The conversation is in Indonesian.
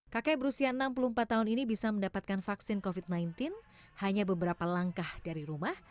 kakek berusia enam puluh empat tahun ini bisa mendapatkan vaksin covid sembilan belas hanya beberapa langkah dari rumah